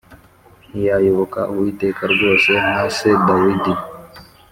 ntiyayoboka Uwiteka rwose nka se Dawidi